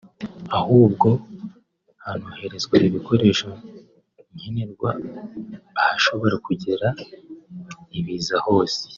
ahubwo hanoherezwa ibikoresho nkenerwa ahashobora kugera ibiza hose